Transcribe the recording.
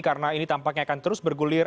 karena ini tampaknya akan terus bergulir